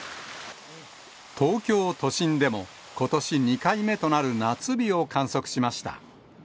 東京都心でも、ことし２回目となる夏日を観測しました。